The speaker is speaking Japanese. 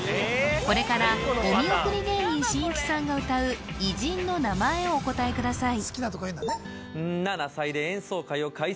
これからお見送り芸人しんいちさんが歌う「偉人」の名前をお答えください